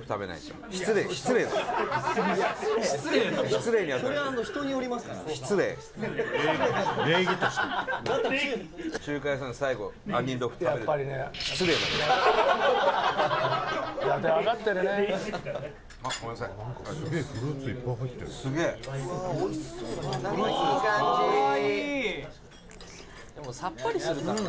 北山：さっぱりするからな。